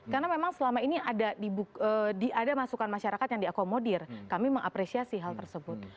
karena memang selama ini ada masukan masyarakat yang diakomodir kami mengapresiasi hal tersebut